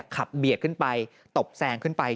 เบียดขึ้นไปตบแซงขึ้นไป